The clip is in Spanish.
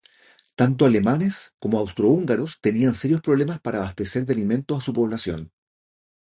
Tanto alemanes como austrohúngaros tenían serios problemas para abastecer de alimentos a su población.